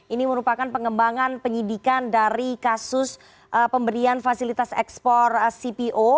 ini merupakan pengembangan penyidikan dari kasus pemberian fasilitas ekspor cpo